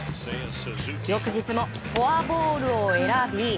翌日もフォアボールを選び